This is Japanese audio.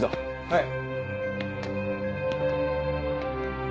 はい。